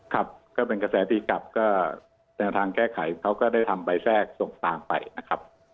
ครับก็เป็นกระแสตีกลับก็แนวทางแก้ไขเขาก็ได้ทำใบแทรกส่งทางไปนะครับ